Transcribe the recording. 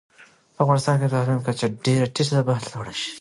په افغانستان کي د تعلیم کچه ډيره ټیټه ده، بايد لوړه شي